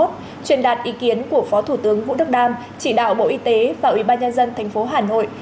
truyền đạt ý kiến của phó thủ tướng vũ đức đam chỉ đạo bộ y tế và ủy ban nhân dân tp hà nội